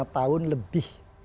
lima tahun lebih